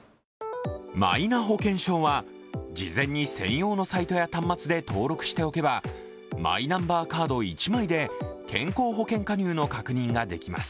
マイナ保険証は事前に専用のサイトや端末で登録しておけばマイナンバーカード１枚で健康保険加入の確認ができます。